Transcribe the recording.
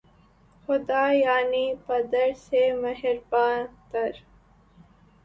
خدا‘ یعنی پدر سے مہرباں تر